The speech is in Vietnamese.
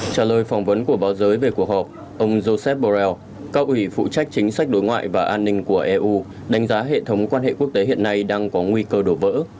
trả lời phỏng vấn của báo giới về cuộc họp ông joseph borrell cao ủy phụ trách chính sách đối ngoại và an ninh của eu đánh giá hệ thống quan hệ quốc tế hiện nay đang có nguy cơ đổ vỡ